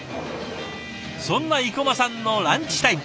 そんな生駒さんのランチタイム。